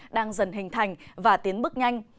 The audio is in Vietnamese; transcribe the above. đang dần hình thành và tiến bước nhanh